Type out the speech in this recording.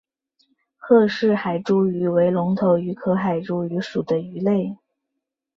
赫氏海猪鱼为隆头鱼科海猪鱼属的鱼类。